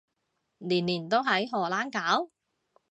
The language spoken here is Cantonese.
年年都喺荷蘭搞？